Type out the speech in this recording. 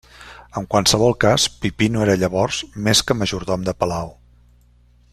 En qualsevol cas, Pipí no era llavors més que majordom de palau.